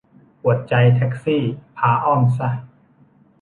ปวดใจแท็กซี่ พาอ้อมซะ